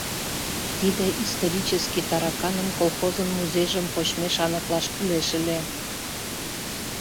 Тиде исторический тараканым колхозын музейжым почмеш аныклаш кӱлеш ыле.